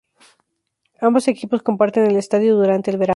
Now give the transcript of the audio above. Ambos equipos comparten el estadio durante el verano.